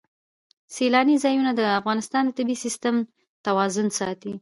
سیلانی ځایونه د افغانستان د طبعي سیسټم توازن ساتي.